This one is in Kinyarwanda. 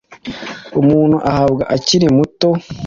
umuntu ahabwa akiri muto,